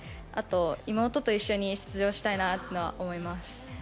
あと妹と一緒に出場したいなというのは思います。